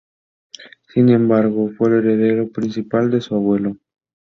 Sin embargo fue el heredero principal de su abuelo.